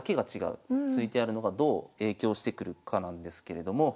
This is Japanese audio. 突いてあるのがどう影響してくるかなんですけれども。